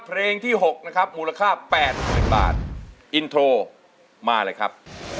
เพลงที่หกนะครับมูลค่าแปดหมื่นบาทอินโทรมาเลยครับ